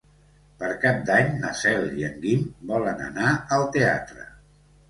Per Cap d'Any na Cel i en Guim volen anar al teatre.